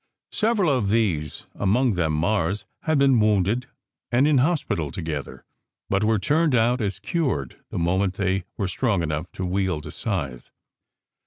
Several of these, among them Mars, had been wounded and in hospital together, but were turned out as cured the moment they were strong enough to wield a scythe.